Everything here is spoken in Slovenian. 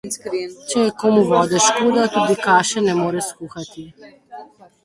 Če je komu vode škoda, tudi kaše ne more skuhati.